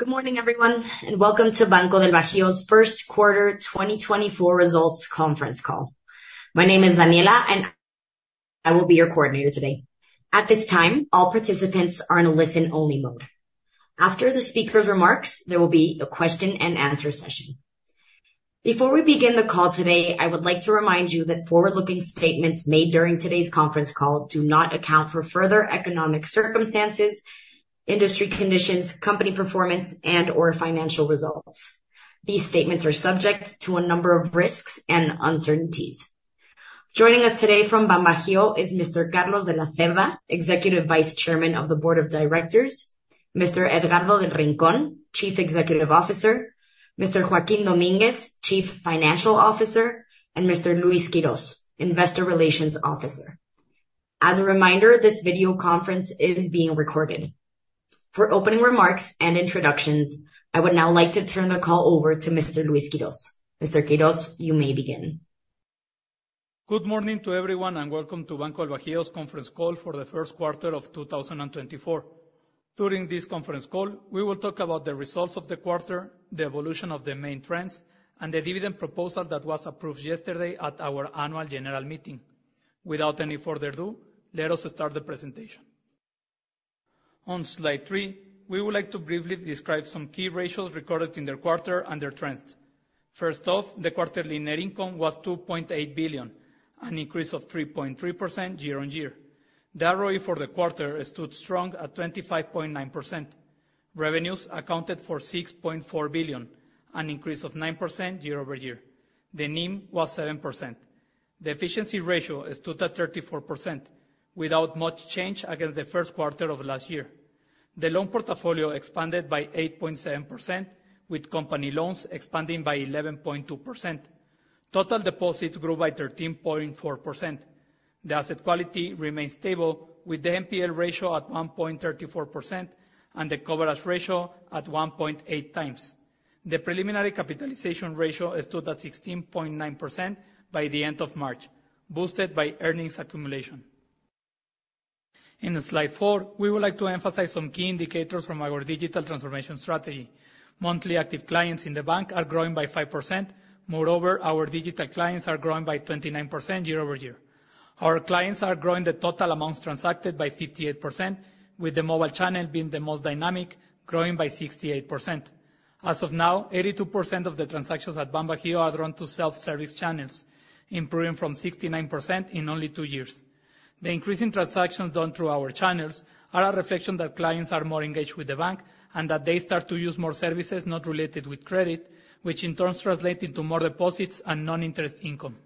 Good morning, everyone, and welcome to Banco del Bajío's First Quarter 2024 Results Conference Call. My name is Daniela, and I will be your coordinator today. At this time, all participants are in a listen-only mode. After the speaker's remarks, there will be a Q&A session. Before we begin the call today, I would like to remind you that forward-looking statements made during today's conference call do not account for further economic circumstances, industry conditions, company performance, and/or financial results. These statements are subject to a number of risks and uncertainties. Joining us today from BanBajío is Mr. Carlos de la Cerda, Executive Vice Chairman of the Board of Directors, Mr. Edgardo del Rincón, Chief Executive Officer, Mr. Joaquín Domínguez, Chief Financial Officer, and Mr. Luis Quiroz, Investor Relations Officer. As a reminder, this video conference is being recorded. For opening remarks and introductions, I would now like to turn the call over to Mr. Luis Quiroz. Mr. Quiroz, you may begin. Good morning to everyone, and welcome to Banco del Bajío's conference call for the first quarter of 2024. During this conference call, we will talk about the results of the quarter, the evolution of the main trends, and the dividend proposal that was approved yesterday at our annual general meeting. Without any further ado, let us start the presentation. On slide 3, we would like to briefly describe some key ratios recorded in the quarter and their trends. First off, the quarterly net income was 2.8 billion, an increase of 3.3% year-on-year. The ROE for the quarter stood strong at 25.9%. Revenues accounted for 6.4 billion, an increase of 9% year-over-year. The NIM was 7%. The efficiency ratio is stood at 34%, without much change against the first quarter of last year. The loan portfolio expanded by 8.7%, with company loans expanding by 11.2%. Total deposits grew by 13.4%. The asset quality remains stable, with the NPL ratio at 1.34% and the coverage ratio at 1.8 times. The preliminary capitalization ratio is stood at 16.9% by the end of March, boosted by earnings accumulation. In slide 4, we would like to emphasize some key indicators from our digital transformation strategy. Monthly active clients in the bank are growing by 5%. Moreover, our digital clients are growing by 29% year-over-year. Our clients are growing the total amounts transacted by 58%, with the mobile channel being the most dynamic, growing by 68%. As of now, 82% of the transactions at BanBajío are run through self-service channels, improving from 69% in only two years. The increasing transactions done through our channels are a reflection that clients are more engaged with the bank and that they start to use more services not related with credit, which in turn translate into more deposits and non-interest income.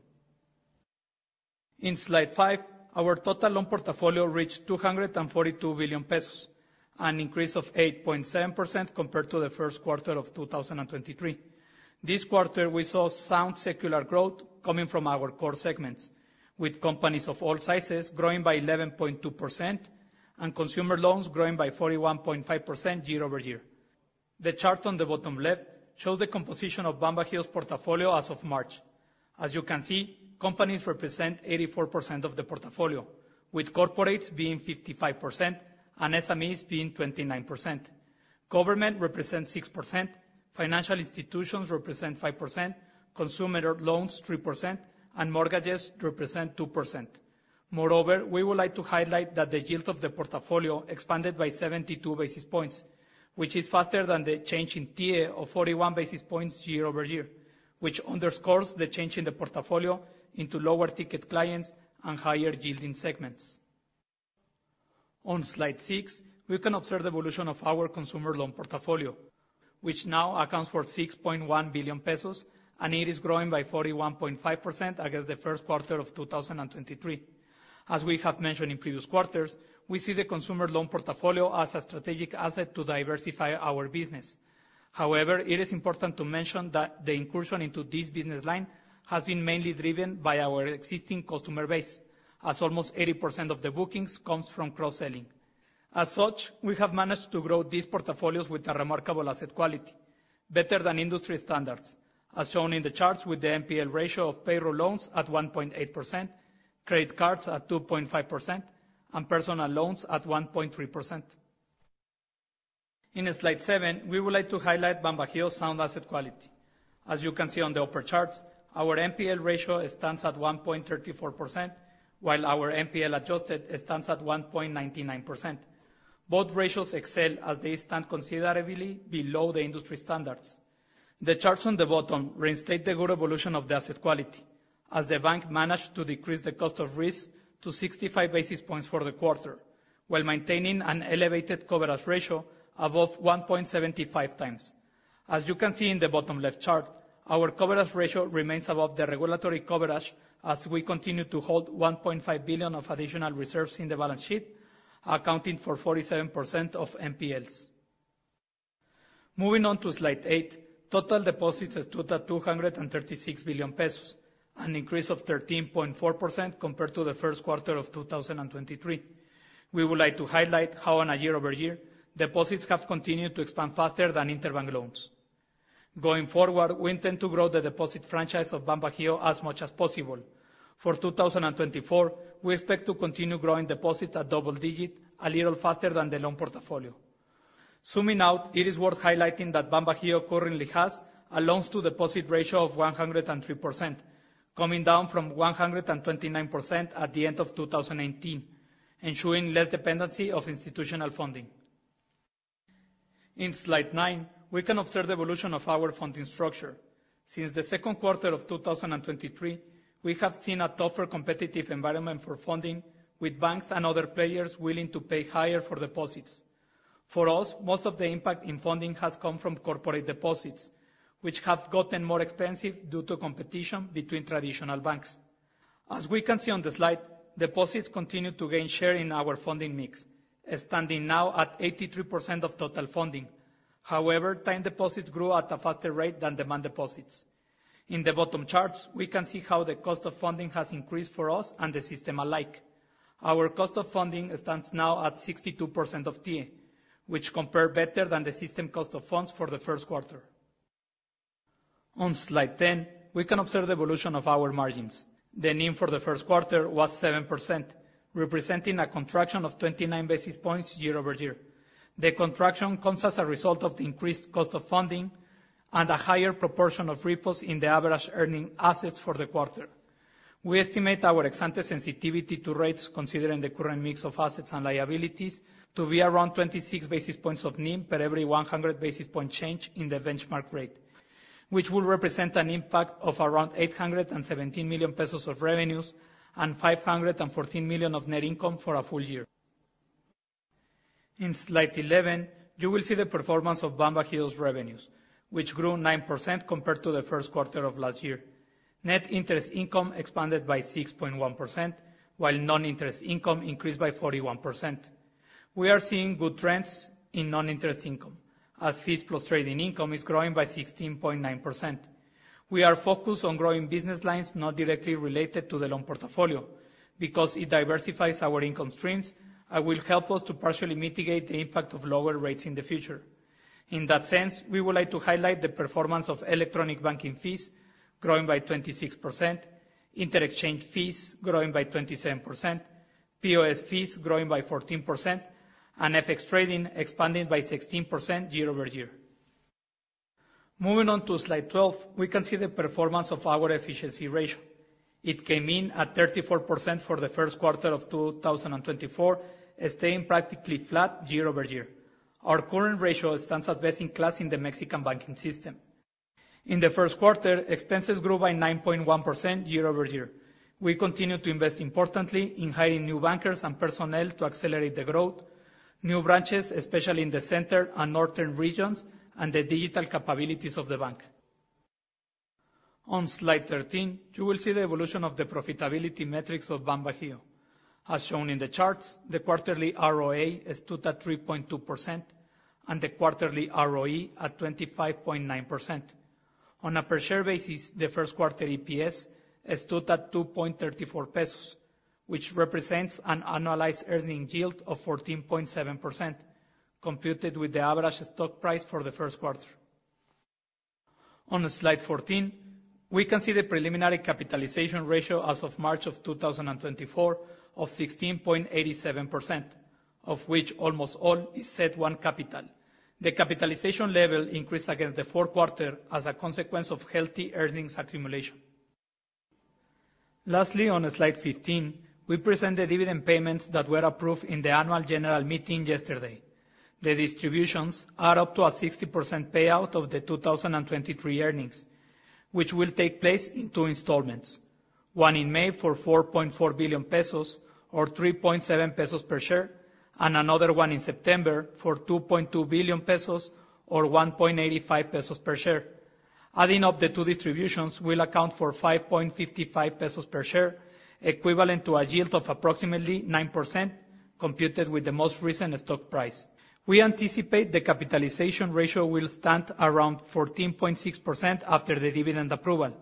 In slide 5, our total loan portfolio reached 242 billion pesos, an increase of 8.7% compared to the first quarter of 2023. This quarter, we saw sound secular growth coming from our core segments, with companies of all sizes growing by 11.2% and consumer loans growing by 41.5% year-over-year. The chart on the bottom left shows the composition of BanBajío's portfolio as of March. As you can see, companies represent 84% of the portfolio, with corporates being 55% and SMEs being 29%. Government represents 6%, financial institutions represent 5%, consumer loans 3%, and mortgages represent 2%. Moreover, we would like to highlight that the yield of the portfolio expanded by 72 basis points, which is faster than the change in TIIE of 41 basis points year-over-year, which underscores the change in the portfolio into lower-ticket clients and higher-yielding segments. On slide 6, we can observe the evolution of our consumer loan portfolio, which now accounts for 6.1 billion pesos, and it is growing by 41.5% against the first quarter of 2023. As we have mentioned in previous quarters, we see the consumer loan portfolio as a strategic asset to diversify our business. However, it is important to mention that the incursion into this business line has been mainly driven by our existing customer base, as almost 80% of the bookings comes from cross-selling. As such, we have managed to grow these portfolios with a remarkable asset quality, better than industry standards, as shown in the charts with the NPL ratio of payroll loans at 1.8%, credit cards at 2.5%, and personal loans at 1.3%. In slide 7, we would like to highlight BanBajío's sound asset quality. As you can see on the upper charts, our NPL ratio stands at 1.34%, while our NPL adjusted stands at 1.99%. Both ratios excel as they stand considerably below the industry standards. The charts on the bottom reinstate the good evolution of the asset quality, as the bank managed to decrease the cost of risk to 65 basis points for the quarter, while maintaining an elevated coverage ratio above 1.75 times. As you can see in the bottom left chart, our coverage ratio remains above the regulatory coverage as we continue to hold 1.5 billion of additional reserves in the balance sheet, accounting for 47% of NPLs. Moving on to slide 8, total deposits is stood at 236 billion pesos, an increase of 13.4% compared to the first quarter of 2023. We would like to highlight how on a year-over-year, deposits have continued to expand faster than interbank loans.... Going forward, we intend to grow the deposit franchise of BanBajío as much as possible. For 2024, we expect to continue growing deposits at double-digit, a little faster than the loan portfolio. Zooming out, it is worth highlighting that BanBajío currently has a loans-to-deposit ratio of 103%, coming down from 129% at the end of 2018, ensuring less dependency of institutional funding. In slide 9, we can observe the evolution of our funding structure. Since the second quarter of 2023, we have seen a tougher competitive environment for funding, with banks and other players willing to pay higher for deposits. For us, most of the impact in funding has come from corporate deposits, which have gotten more expensive due to competition between traditional banks. As we can see on the slide, deposits continue to gain share in our funding mix, standing now at 83% of total funding. However, time deposits grew at a faster rate than demand deposits. In the bottom charts, we can see how the cost of funding has increased for us and the system alike. Our cost of funding stands now at 62% of TIIE, which compare better than the system cost of funds for the first quarter. On slide 10, we can observe the evolution of our margins. The NIM for the first quarter was 7%, representing a contraction of 29 basis points year-over-year. The contraction comes as a result of the increased cost of funding and a higher proportion of repos in the average earning assets for the quarter. We estimate our ex ante sensitivity to rates, considering the current mix of assets and liabilities, to be around 26 basis points of NIM per every 100 basis point change in the benchmark rate, which will represent an impact of around 817 million pesos of revenues and 514 million of net income for a full year. In slide 11, you will see the performance of BanBajío's revenues, which grew 9% compared to the first quarter of last year. Net interest income expanded by 6.1%, while non-interest income increased by 41%. We are seeing good trends in non-interest income, as fees plus trading income is growing by 16.9%. We are focused on growing business lines not directly related to the loan portfolio, because it diversifies our income streams and will help us to partially mitigate the impact of lower rates in the future. In that sense, we would like to highlight the performance of electronic banking fees growing by 26%, interchange fees growing by 27%, POS fees growing by 14%, and FX trading expanding by 16% year-over-year. Moving on to slide 12, we can see the performance of our efficiency ratio. It came in at 34% for the first quarter of 2024, staying practically flat year-over-year. Our current ratio stands as best in class in the Mexican banking system. In the first quarter, expenses grew by 9.1% year-over-year. We continue to invest importantly in hiring new bankers and personnel to accelerate the growth, new branches, especially in the center and northern regions, and the digital capabilities of the bank. On Slide 13, you will see the evolution of the profitability metrics of BanBajío. As shown in the charts, the quarterly ROA stood at 3.2% and the quarterly ROE at 25.9%. On a per share basis, the first quarter EPS stood at 2.34 pesos, which represents an annualized earning yield of 14.7%, computed with the average stock price for the first quarter. On Slide 14, we can see the preliminary capitalization ratio as of March 2024 of 16.87%, of which almost all is Tier 1 capital. The capitalization level increased against the fourth quarter as a consequence of healthy earnings accumulation. Lastly, on Slide 15, we present the dividend payments that were approved in the annual general meeting yesterday. The distributions add up to a 60% payout of the 2023 earnings, which will take place in two installments: one in May for 4.4 billion pesos, or 3.7 pesos per share, and another one in September for 2.2 billion pesos, or 1.85 pesos per share. Adding up the two distributions will account for 5.55 pesos per share, equivalent to a yield of approximately 9%, computed with the most recent stock price. We anticipate the capitalization ratio will stand around 14.6% after the dividend approval,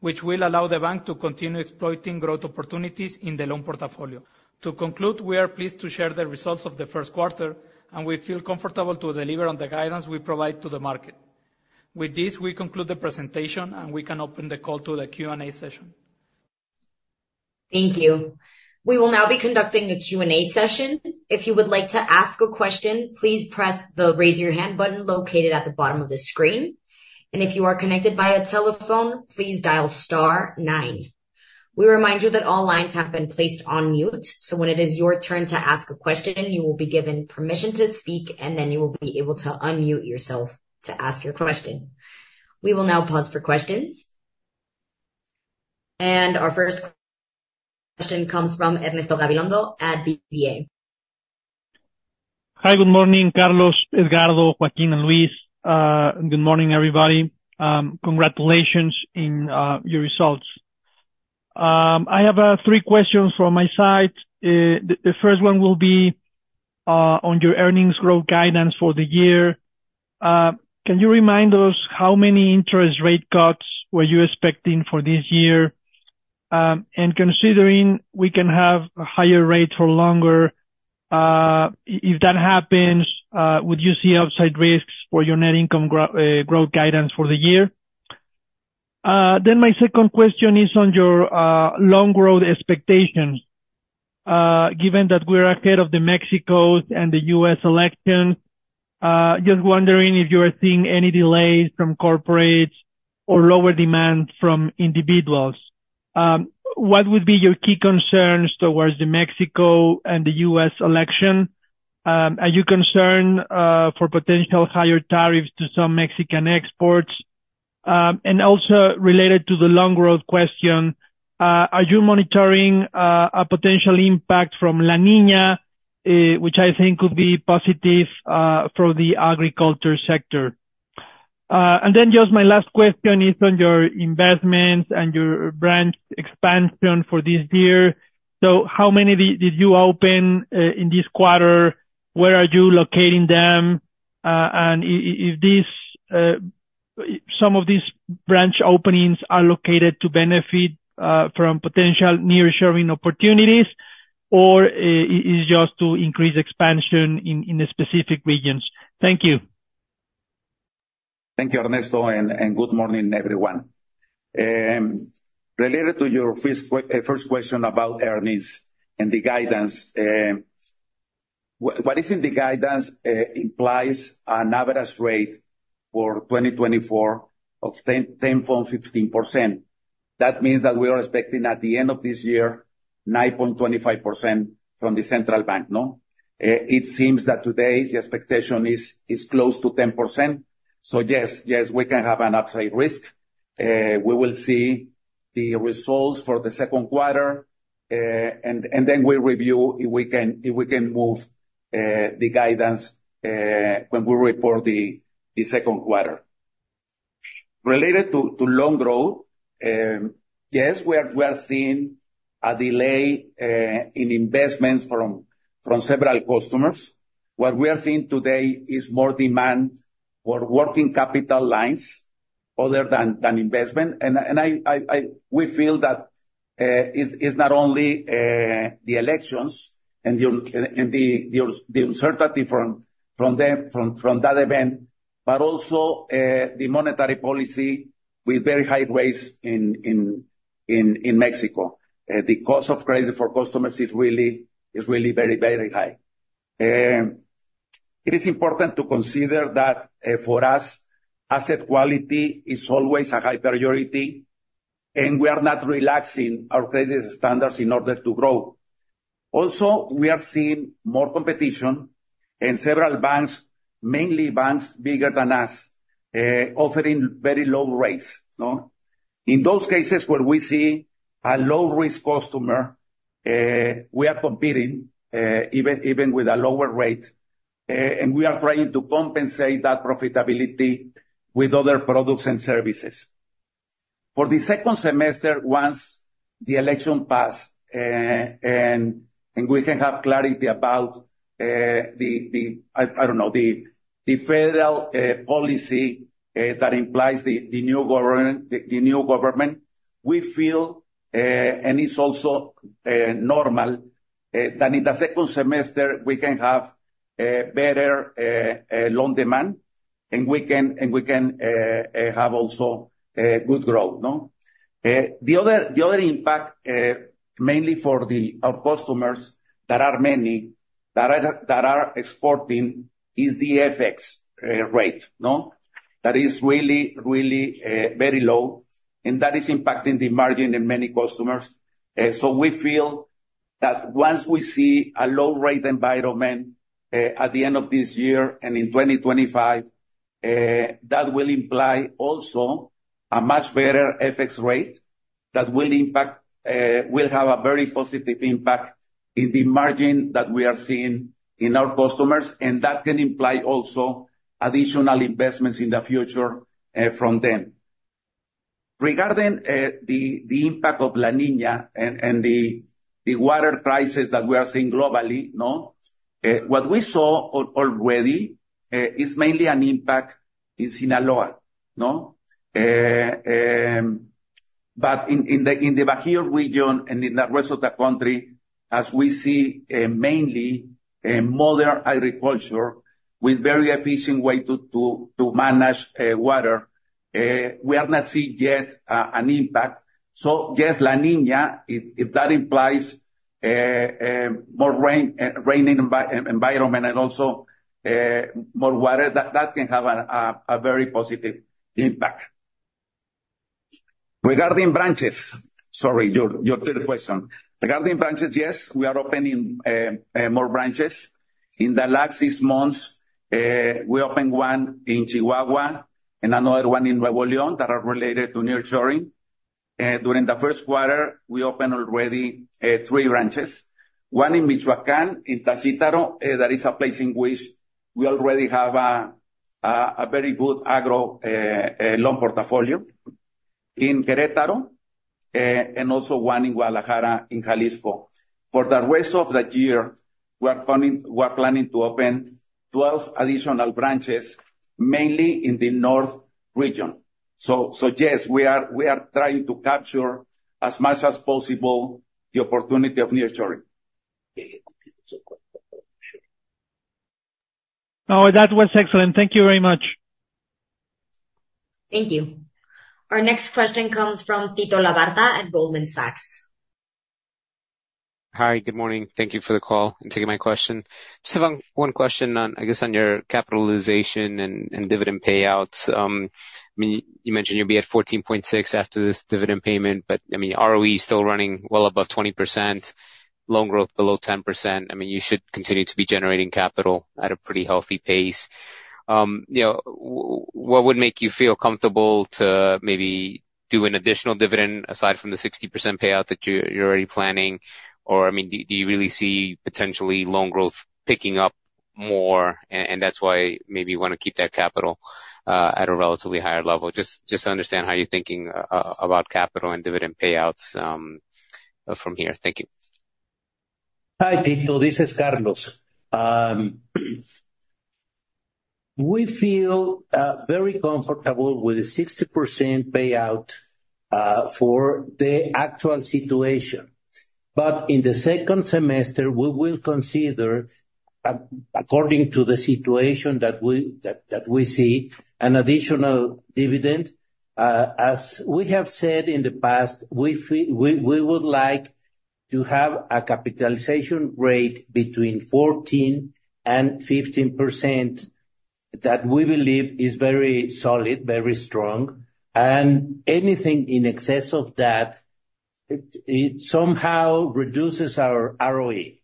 which will allow the bank to continue exploiting growth opportunities in the loan portfolio. To conclude, we are pleased to share the results of the first quarter, and we feel comfortable to deliver on the guidance we provide to the market. With this, we conclude the presentation, and we can open the call to the Q&A session. Thank you. We will now be conducting a Q&A session. If you would like to ask a question, please press the Raise Your Hand button located at the bottom of the screen. If you are connected via telephone, please dial star nine. We remind you that all lines have been placed on mute, so when it is your turn to ask a question, you will be given permission to speak, and then you will be able to unmute yourself to ask your question. We will now pause for questions. Our first question comes from Ernesto Gabilondo at BofA. Hi, good morning, Carlos, Edgardo, Joaquín, and Luis. Good morning, everybody. Congratulations on your results. I have three questions from my side. The first one will be on your earnings growth guidance for the year. Can you remind us how many interest rate cuts were you expecting for this year? And considering we can have higher rates for longer, if that happens, would you see upside risks for your net income growth guidance for the year? Then my second question is on your loan growth expectations. Given that we are ahead of the Mexico and the U.S. election, just wondering if you are seeing any delays from corporates or lower demand from individuals. What would be your key concerns towards the Mexico and the U.S. election? Are you concerned for potential higher tariffs to some Mexican exports? And also related to the loan growth question, are you monitoring a potential impact from La Niña, which I think could be positive for the agriculture sector? And then just my last question is on your investments and your branch expansion for this year. So how many did you open in this quarter? Where are you locating them? And if some of these branch openings are located to benefit from potential nearshoring opportunities, or it's just to increase expansion in the specific regions? Thank you. Thank you, Ernesto, and good morning, everyone. Related to your first question about earnings and the guidance, what is in the guidance implies an average rate for 2024 of 10.15%. That means that we are expecting at the end of this year, 9.25% from the central bank, no? It seems that today the expectation is close to 10%. So yes, we can have an upside risk. We will see the results for the second quarter, and then we'll review if we can move the guidance when we report the second quarter. Related to loan growth, yes, we are seeing a delay in investments from several customers. What we are seeing today is more demand for working capital lines other than investment. And we feel that is not only the elections and the uncertainty from them, from that event, but also the monetary policy with very high rates in in in Mexico. The cost of credit for customers is really very high. It is important to consider that for us, asset quality is always a high priority, and we are not relaxing our credit standards in order to grow. Also, we are seeing more competition in several banks, mainly banks bigger than us, offering very low rates, no? In those cases where we see a low risk customer, we are competing, even with a lower rate, and we are trying to compensate that profitability with other products and services. For the second semester, once the election pass, and we can have clarity about the federal policy that implies the new government, we feel, and it's also normal that in the second semester we can have better loan demand, and we can have also good growth, no? The other impact, mainly for our customers, there are many that are exporting is the FX rate, no? That is really, really, very low, and that is impacting the margin in many customers. So we feel that once we see a low rate environment, at the end of this year, and in 2025, that will imply also a much better FX rate that will impact, will have a very positive impact in the margin that we are seeing in our customers, and that can imply also additional investments in the future, from them. Regarding, the impact of La Niña and, the water prices that we are seeing globally, no? What we saw already, is mainly an impact in Sinaloa, no? But in the Bajío region and in the rest of the country, as we see, mainly a modern agriculture with very efficient way to manage water, we have not seen yet an impact. So yes, La Niña, if that implies more rain, rain in environment and also more water, that can have a very positive impact. Regarding branches, sorry, your third question. Regarding branches, yes, we are opening more branches. In the last six months, we opened one in Chihuahua and another one in Nuevo León that are related to nearshoring. During the first quarter, we opened already three branches, one in Michoacán, in Zitácuaro, that is a place in which we already have a very good agro loan portfolio. In Querétaro, and also one in Guadalajara, in Jalisco. For the rest of the year, we are planning to open 12 additional branches, mainly in the North region. So, yes, we are trying to capture as much as possible the opportunity of nearshoring. No, that was excellent. Thank you very much. Thank you. Our next question comes from Tito Labarta at Goldman Sachs. Hi, good morning. Thank you for the call, and taking my question. Just have one question on, I guess, on your capitalization and dividend payouts. I mean, you mentioned you'll be at 14.6 after this dividend payment, but I mean, ROE is still running well above 20%, loan growth below 10%. I mean, you should continue to be generating capital at a pretty healthy pace. You know, what would make you feel comfortable to maybe do an additional dividend aside from the 60% payout that you're already planning? Or, I mean, do you really see potentially loan growth picking up more, and that's why maybe you wanna keep that capital at a relatively higher level? Just to understand how you're thinking about capital and dividend payouts from here. Thank you. Hi, Tito, this is Carlos. We feel very comfortable with the 60% payout for the actual situation. But in the second semester, we will consider according to the situation that we see, an additional dividend. As we have said in the past, we feel we would like to have a capitalization rate between 14%-15%, that we believe is very solid, very strong, and anything in excess of that, it somehow reduces our ROE.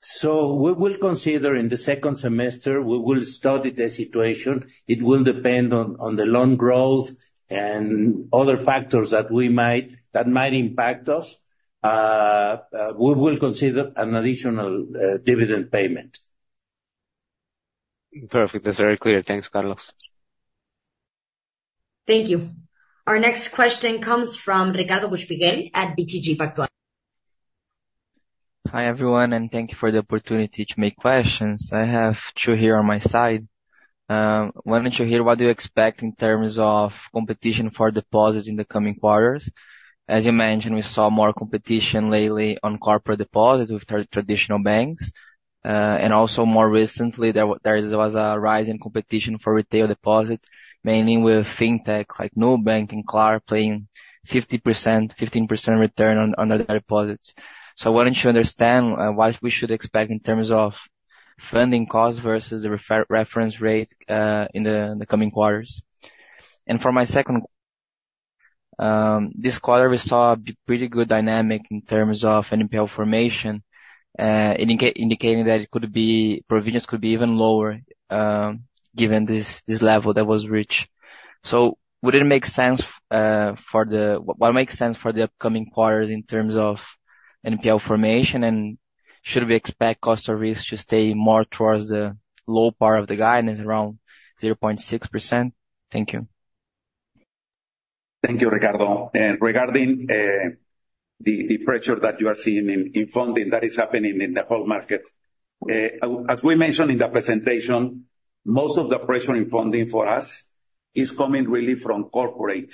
So we will consider in the second semester, we will study the situation. It will depend on the loan growth and other factors that we might impact us. We will consider an additional dividend payment. Perfect. That's very clear. Thanks, Carlos. Thank you. Our next question comes from Ricardo Buchpiguel at BTG Pactual. Hi, everyone, and thank you for the opportunity to make questions. I have two here on my side. Wanted to hear what do you expect in terms of competition for deposits in the coming quarters? As you mentioned, we saw more competition lately on corporate deposits with traditional banks. And also more recently, there was a rise in competition for retail deposits, mainly with Fintech, like Nubank and Klar, playing 50%, 15% return on, on their deposits. So I wanted to understand, what we should expect in terms of funding costs versus the reference rate, in the coming quarters. For my second, this quarter, we saw a pretty good dynamic in terms of NPL formation, indicating that it could be, provisions could be even lower, given this level that was reached. So what makes sense for the upcoming quarters in terms of NPL formation? And should we expect cost of risk to stay more towards the low part of the guidance, around 0.6%? Thank you. Thank you, Ricardo. Regarding the pressure that you are seeing in funding, that is happening in the whole market. As we mentioned in the presentation, most of the pressure in funding for us is coming really from corporate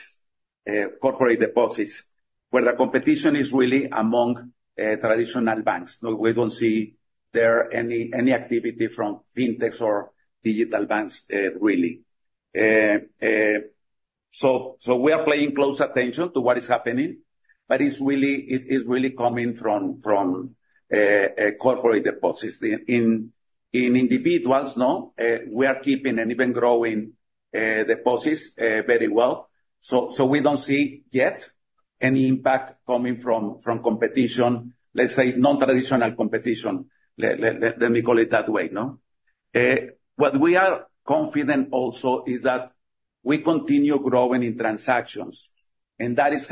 deposits, where the competition is really among traditional banks. No, we don't see there any activity from fintechs or digital banks really. So we are paying close attention to what is happening, but it's really it is really coming from from corporate deposits. In individuals, no, we are keeping and even growing deposits very well. So we don't see yet any impact coming from from competition, let's say, non-traditional competition. Let me call it that way, no? What we are confident also is that we continue growing in transactions, and that is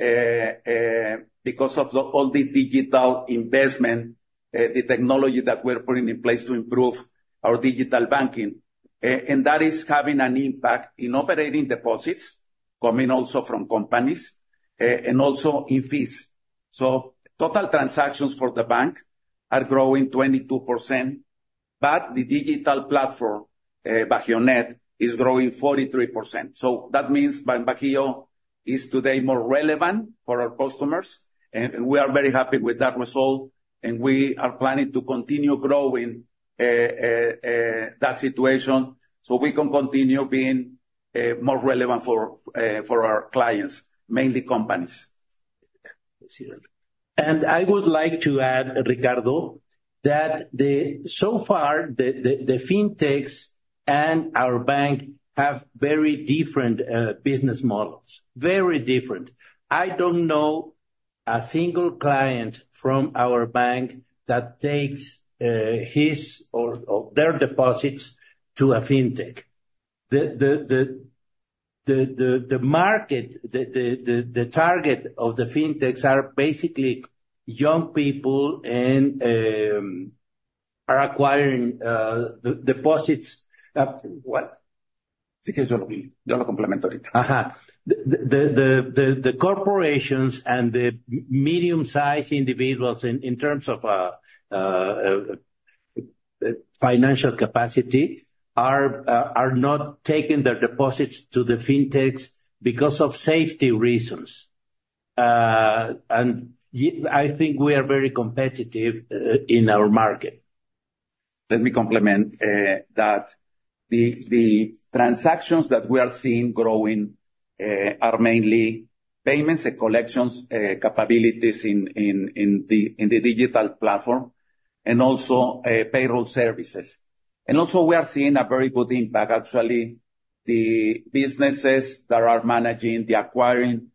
happening, because of all the digital investment, the technology that we're putting in place to improve our digital banking. And that is having an impact in operating deposits, coming also from companies, and also in fees. So total transactions for the bank are growing 22%, but the digital platform, BajioNet, is growing 43%. So that means BanBajío is today more relevant for our customers, and we are very happy with that result, and we are planning to continue growing that situation, so we can continue being more relevant for our clients, mainly companies. And I would like to add, Ricardo, that so far, the fintechs and our bank have very different business models, very different. I don't know a single client from our bank that takes his or their deposits to a Fintech. The market, the target of the Fintechs are basically young people and are acquiring the deposits at what?... Sí, que yo lo, yo lo complemento ahorita. Uh-huh. The corporations and the medium-sized individuals in terms of financial capacity are not taking their deposits to the Fintechs because of safety reasons. And I think we are very competitive in our market. Let me complement that the transactions that we are seeing growing are mainly payments and collections capabilities in in the digital platform, and also payroll services. And also we are seeing a very good impact. Actually, the businesses that are managing the acquiring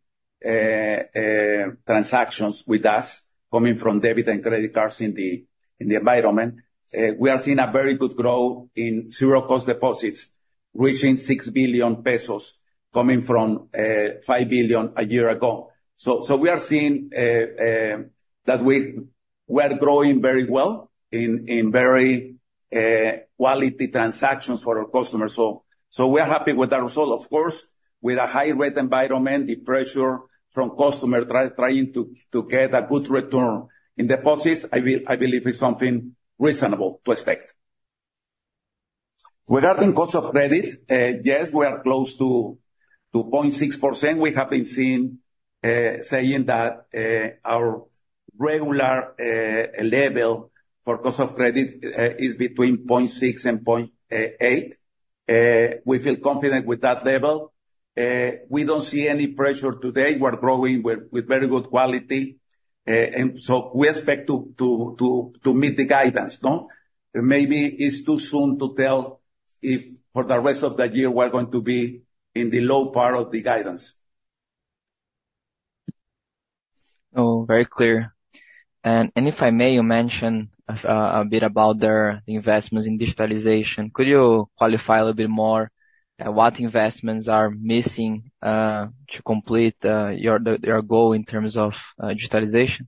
transactions with us, coming from debit and credit cards in the environment, we are seeing a very good growth in zero-cost deposits, reaching 6 billion pesos, coming from 5 billion a year ago. So we are seeing that we are growing very well in very quality transactions for our customers. So so we are happy with that result. Of course, with a high rate environment, the pressure from customer trying to get a good return in deposits, I believe, is something reasonable to expect. Regarding cost of credit, yes, we are close to 0.6%. We have been saying that our regular level for cost of credit is between 0.6% and 0.8%. We feel confident with that level. We don't see any pressure today. We're growing with very good quality. And so we expect to to meet the guidance, no? Maybe it's too soon to tell if for the rest of the year we're going to be in the low part of the guidance. Oh, very clear. And if I may, you mentioned a bit about their investments in digitalization. Could you qualify a little bit more, what investments are missing to complete your goal in terms of digitalization?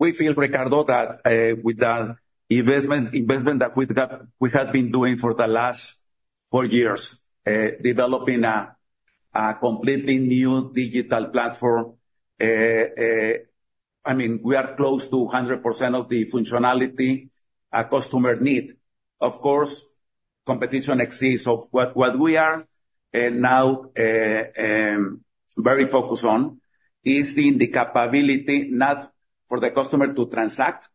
We feel, Ricardo, that with the investment, investment that we've done, we have been doing for the last four years developing a completely new digital platform. I mean, we are close to 100% of the functionality a customer need. Of course, competition exists. So what we are now very focused on is in the capability, not for the customer to transact,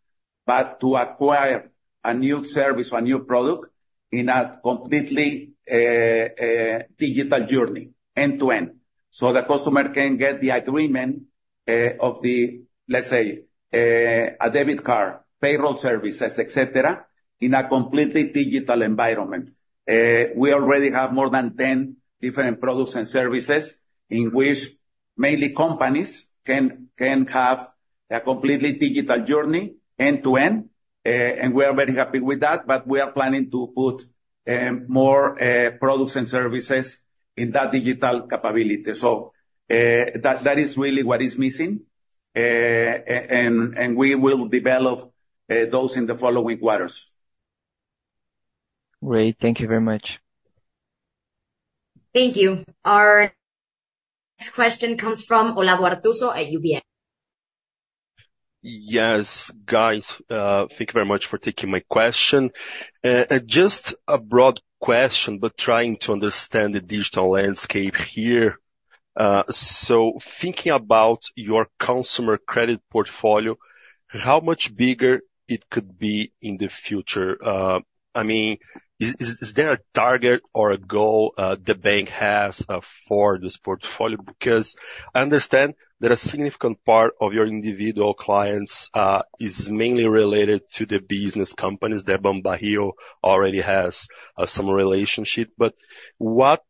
but to acquire a new service or a new product in a completely digital journey, end to end. So the customer can get the agreement of the, let's say, a debit card, payroll services, et cetera, in a completely digital environment. We already have more than 10 different products and services, in which mainly companies can, can have a completely digital journey, end to end. And we are very happy with that, but we are planning to put more products and services in that digital capability. So that is really what is missing, and we will develop those in the following quarters. Great. Thank you very much. Thank you. Our next question comes from Olavo Arthuso at UBS. Yes, guys, thank you very much for taking my question. Just a broad question, but trying to understand the digital landscape here. So thinking about your consumer credit portfolio, how much bigger it could be in the future? I mean, is there a target or a goal the bank has for this portfolio? Because I understand that a significant part of your individual clients is mainly related to the business companies that BanBajío already has some relationship. But what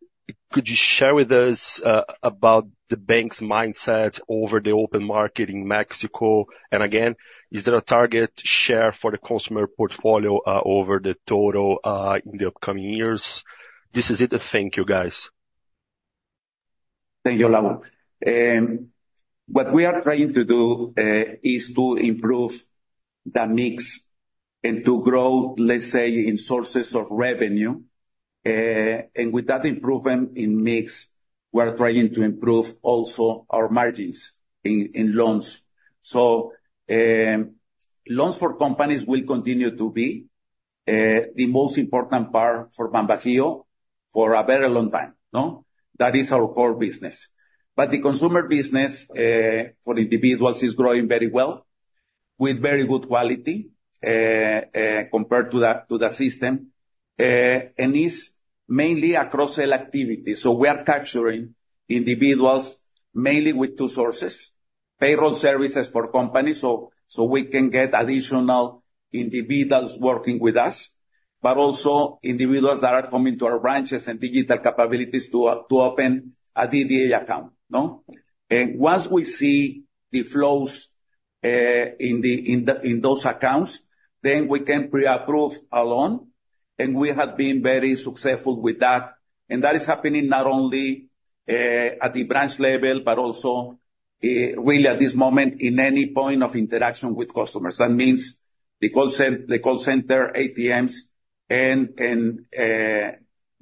could you share with us about the bank's mindset over the open market in Mexico? And again, is there a target share for the consumer portfolio over the total in the upcoming years? This is it. Thank you, guys. Thank you, Olavo. What we are trying to do is to improve the mix and to grow, let's say, in sources of revenue. And with that improvement in mix, we are trying to improve also our margins in, in loans. So, loans for companies will continue to be the most important part for BanBajío for a very long time, no? That is our core business. But the consumer business, for individuals, is growing very well, with very good quality, compared to the, to the system, and is mainly a cross-sell activity. So we are capturing individuals mainly with two sources, payroll services for companies, so, so we can get additional individuals working with us, but also individuals that are coming to our branches and digital capabilities to, to open a DDA account, no? Once we see the flows in those accounts, then we can pre-approve a loan, and we have been very successful with that. And that is happening not only at the branch level, but also really at this moment, in any point of interaction with customers. That means the call center, ATMs, and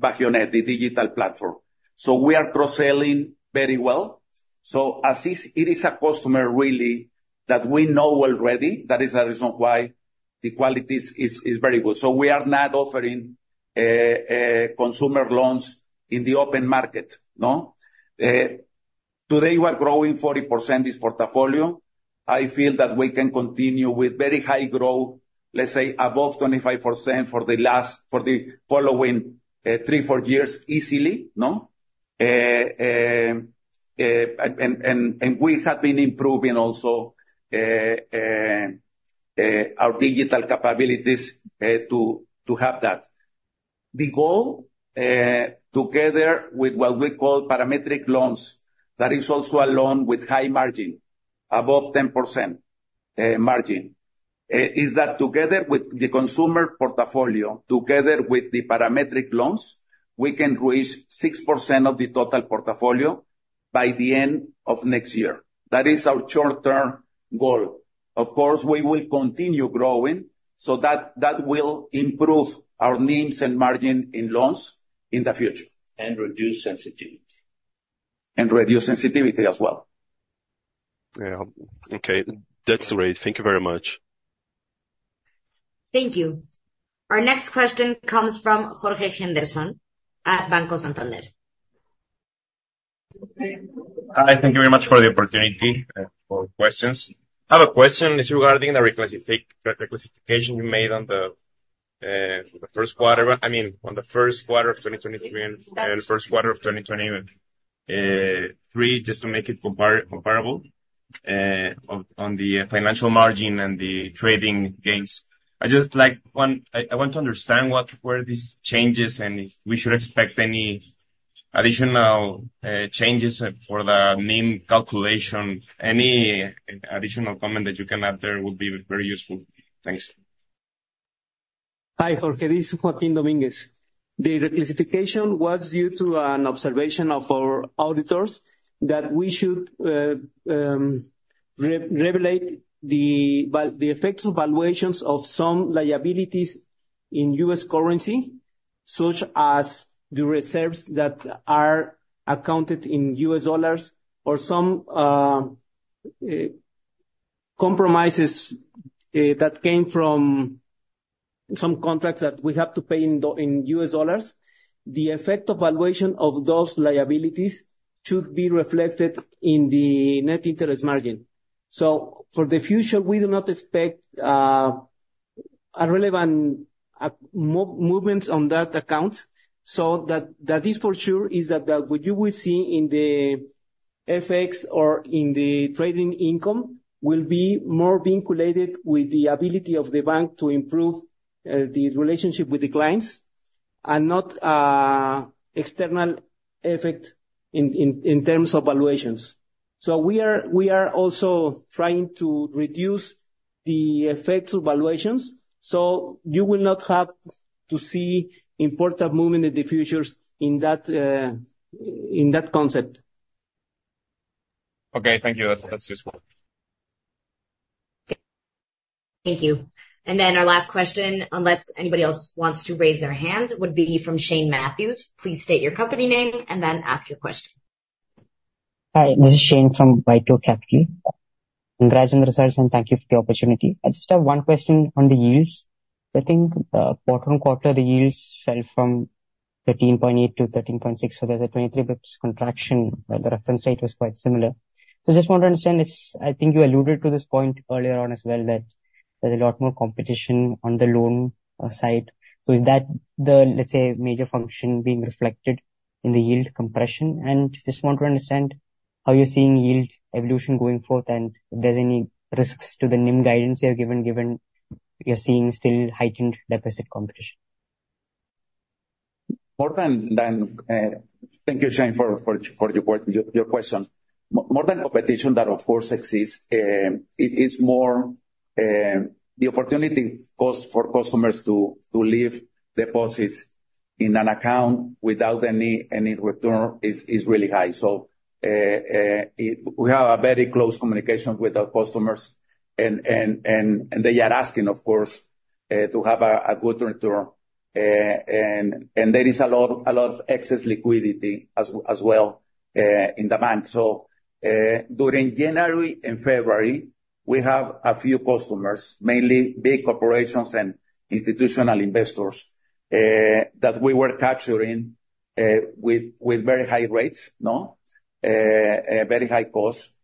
BajioNet, the digital platform. So we are cross-selling very well. So as is, it is a customer, really, that we know already. That is the reason why the quality is very good. So we are not offering consumer loans in the open market, no? Today we're growing 40% this portfolio. I feel that we can continue with very high growth, let's say above 25% for the following 3-4 years easily, no? And we have been improving also our digital capabilities to have that. The goal, together with what we call parametric loans, that is also a loan with high margin, above 10% margin, is that together with the consumer portfolio, together with the parametric loans, we can reach 6% of the total portfolio by the end of next year. That is our short-term goal. Of course, we will continue growing, so that will improve our NIMs and margin in loans in the future. Reduce sensitivity. And reduce sensitivity as well. Yeah. Okay. That's great. Thank you very much. Thank you. Our next question comes from Jorge Henderson at Banco Santander. Hi, thank you very much for the opportunity for questions. I have a question; it's regarding the reclassification you made on the first quarter. I mean, on the first quarter of 2023 and the first quarter of 2023, just to make it comparable, on the financial margin and the trading gains. I just want to understand what were these changes, and if we should expect any additional changes for the NIM calculation. Any additional comment that you can add there would be very useful. Thanks. Hi, Jorge. This is Joaquín Domínguez. The reclassification was due to an observation of our auditors that we should re-regulate the effects of valuations of some liabilities in U.S. currency, such as the reserves that are accounted in U.S. dollars, or some compromises that came from some contracts that we have to pay in U.S. dollars. The effect of valuation of those liabilities should be reflected in the net interest margin. So for the future, we do not expect a relevant movements on that account. So that is for sure what you will see in the FX or in the trading income will be more interrelated with the ability of the bank to improve the relationship with the clients, and not external effect in terms of valuations. So we are, we are also trying to reduce the effects of valuations, so you will not have to see important movement in the futures in that, in that concept. Okay, thank you. That's, that's useful. Thank you. Our last question, unless anybody else wants to raise their hands, would be from Shane Matthews. Please state your company name and then ask your question. Hi, this is Shane from Veto Capital. Congrats on the results, and thank you for the opportunity. I just have one question on the yields. I think quarter-over-quarter, the yields fell from 13.8 to 13.6, so there's a 23 basis contraction, but the reference rate was quite similar. So just want to understand this. I think you alluded to this point earlier on as well, that there's a lot more competition on the loan side. So is that the, let's say, major function being reflected in the yield compression? And just want to understand how you're seeing yield evolution going forth, and if there's any risks to the NIM guidance you have given, given you're seeing still heightened deposit competition. More than competition, that of course exists, it is more the opportunity cost for customers to leave deposits in an account without any return is really high. So, we have a very close communication with our customers and and they are asking, of course, to have a good return. And there is a lot of excess liquidity as well in the bank. So, during January and February, we have a few customers, mainly big corporations and institutional investors, that we were capturing with very high rates, no? A very high cost.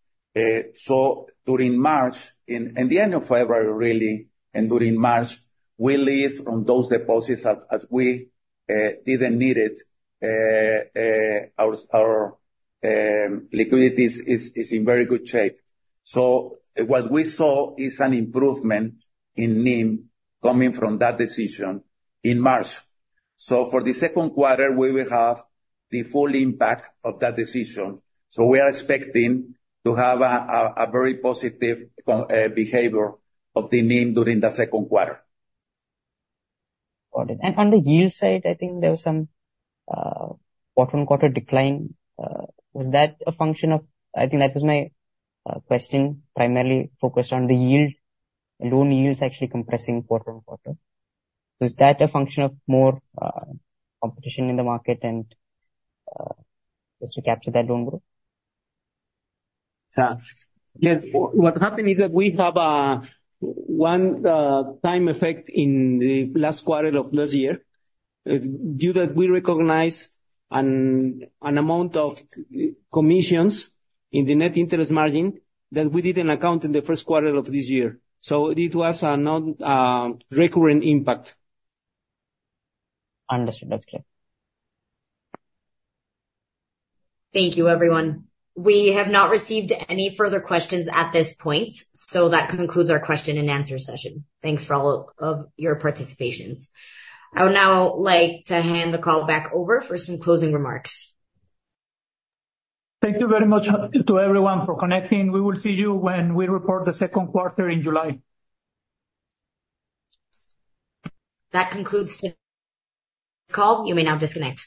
So during March, in the end of February, and during March, we leave on those deposits as we didn't need it. Our liquidity is in very good shape. So what we saw is an improvement in NIM coming from that decision in March. So for the second quarter, we will have the full impact of that decision, so we are expecting to have a very positive behavior of the NIM during the second quarter. Got it. And on the yield side, I think there was some bottom quarter decline. Was that a function of- I think that was my question, primarily focused on the yield, loan yields actually compressing quarter-on-quarter. Was that a function of more competition in the market and just to capture that loan growth? Yes. What happened is that we have one-time effect in the last quarter of last year. Due that we recognize an amount of commissions in the net interest margin, that we didn't account in the first quarter of this year. So it was a non-recurring impact. Understood. That's clear. Thank you, everyone. We have not received any further questions at this point, so that concludes our Q&A session. Thanks for all of your participations. I would now like to hand the call back over for some closing remarks. Thank you very much to everyone for connecting. We will see you when we report the second quarter in July. That concludes the call. You may now disconnect.